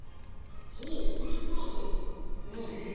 ほうフルーツトマトへえ。